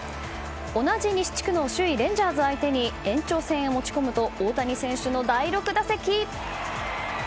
同じ西地区首位のレンジャーズ相手に延長戦へ持ち込むと大谷選手の第６打席。